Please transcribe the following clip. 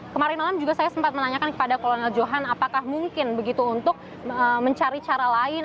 kemarin malam juga saya sempat menanyakan kepada kolonel johan apakah mungkin begitu untuk mencari cara lain